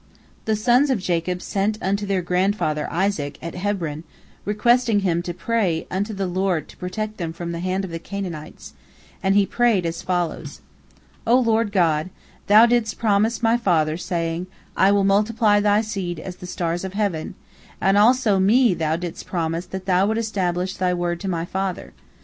The sons of Jacob sent unto their grandfather Isaac, at Hebron, requesting him to pray unto the Lord to protect them from the hand of the Canaanites, and he prayed as follows: "O Lord God, Thou didst promise my father, saying, I will multiply thy seed as the stars of heaven, and also me Thou didst promise that Thou wouldst establish Thy word to my father.